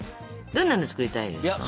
どんなの作りたいですか？